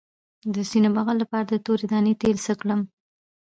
د سینې بغل لپاره د تورې دانې تېل څه کړم؟